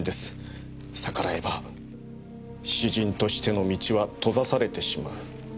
逆らえば詩人としての道は閉ざされてしまう。